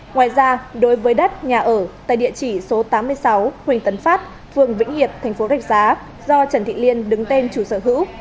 ngoài ra đối với đất nhà ở tại địa chỉ số tám mươi sáu huỳnh tấn pháp phường vĩnh hiệt tp đạch giá do trần thị liên đứng tên chủ sở hữu